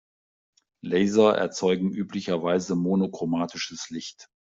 Laser erzeugen üblicherweise monochromatisches Licht.